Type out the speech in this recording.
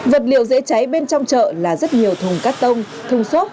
vật liệu dễ cháy bên trong chợ là rất nhiều thùng cắt tông thùng xốp